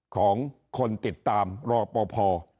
ของคนติดตามรอปภ